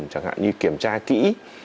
chẳng hạn như kiểm tra kỹ